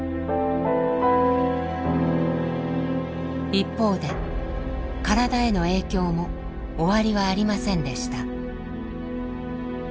一方で体への影響も終わりはありませんでした。